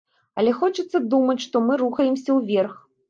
Але хочацца думаць, што мы рухаемся ўверх.